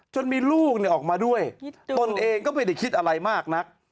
จนมีลูกออกมาด้วยตนเองก็ไม่ได้คิดอะไรมากนัก